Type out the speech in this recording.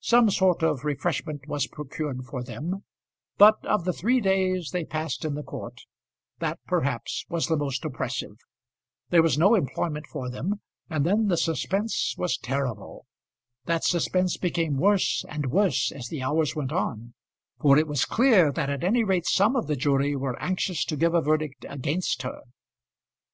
Some sort of refreshment was procured for them, but of the three days they passed in the court, that, perhaps, was the most oppressive. There was no employment for them, and then the suspense was terrible! That suspense became worse and worse as the hours went on, for it was clear that at any rate some of the jury were anxious to give a verdict against her.